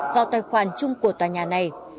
vào tài khoản chung của tòa nhà này